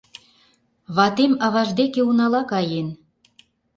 Ватем аваж деке унала каен.